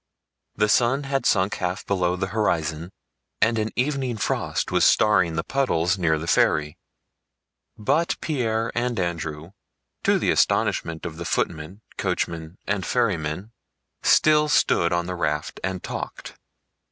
The sun had sunk half below the horizon and an evening frost was starring the puddles near the ferry, but Pierre and Andrew, to the astonishment of the footmen, coachmen, and ferrymen, still stood on the raft and talked.